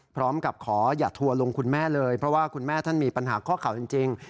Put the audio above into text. พร้อมกับขออย่าทัวร์ลงคุณแม่เลยเพราะว่าคุณแม่ท่านมีปัญหาข้อข่าวจริง